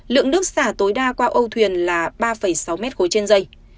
lượng nước xả tối đa qua âu thuyền là ba sáu m ba trên dây